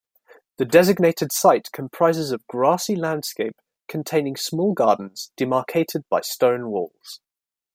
The designated site comprises of grassy landscape containing small gardens demarcated by stone walls.